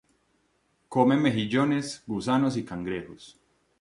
Come mejillones, gusanos y cangrejos.